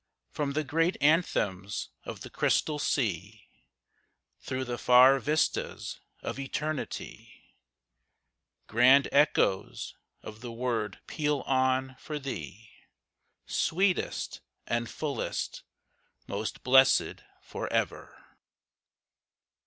From the great anthems of the Crystal Sea, Through the far vistas of Eternity, Grand echoes of the word peal on for thee, Sweetest and fullest: 'Most blessed for ever.'